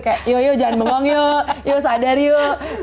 kayak yoyoyoh jangan bengong yuk yuk sadar yuk